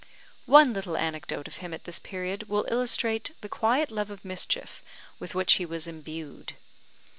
One little anecdote of him at this period will illustrate the quiet love of mischief with which he was imbued.